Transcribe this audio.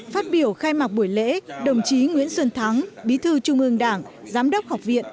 phát biểu khai mạc buổi lễ đồng chí nguyễn xuân thắng bí thư trung ương đảng giám đốc học viện